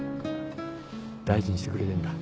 大事にしてくれてるんだ？